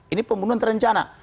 ini pembunuhan terencana